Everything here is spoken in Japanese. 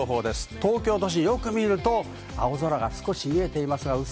東京都心、よく見ると青空が少し見えています。